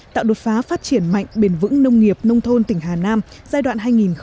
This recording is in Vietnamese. tạo đột phá phát triển mạnh bền vững nông nghiệp nông thôn tỉnh hà nam giai đoạn hai nghìn một mươi sáu hai nghìn hai mươi